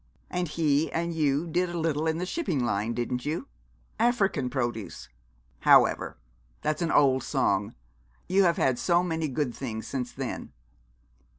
And he and you did a little in the shipping line, didn't you African produce? However, that's an old song. You have had so many good things since then.'